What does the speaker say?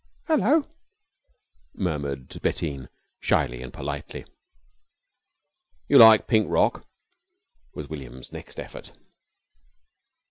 "'Ullo," murmured Bettine shyly and politely. "You like pink rock?" was William's next effort.